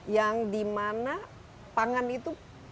yang dimana pangan itu